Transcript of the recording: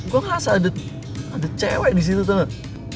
gue ngerasa ada cewek disitu tahu gak